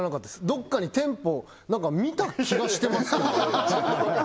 どこかに店舗何か見た気がしてますけどね